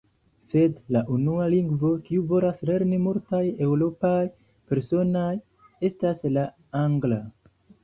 Sed, la unua lingvo kiu volas lerni multaj eŭropaj personoj, estas la angla.